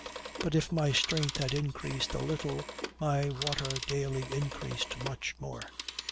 But if my strength had increased a little my water daily increased much more.